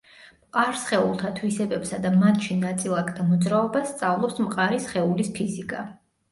მყარ სხეულთა თვისებებსა და მათში ნაწილაკთა მოძრაობას სწავლობს მყარი სხეულის ფიზიკა.